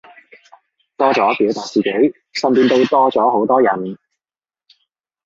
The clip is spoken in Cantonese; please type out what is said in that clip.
多咗表達自己，身邊都多咗好多人